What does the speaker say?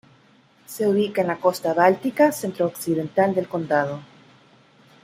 Se ubica en la costa báltica centro-occidental del condado.